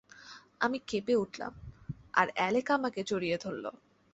আমি কেঁপে উঠলাম, আর অ্যালেক আমাকে জড়িয়ে ধরল।